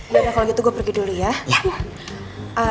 ya udah kalau gitu gue pergi dulu ya